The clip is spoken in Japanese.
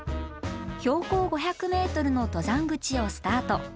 標高５００ｍの登山口をスタート。